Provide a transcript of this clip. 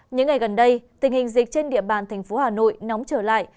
những ngày gần đây tình hình dịch trên địa bàn thành phố hà nội nóng trở lại